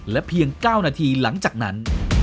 เพียง๙นาทีหลังจากนั้น